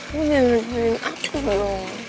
lu jangan ngeriain aku loh